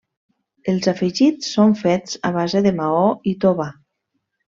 Els afegits són fets a base de maó i tova.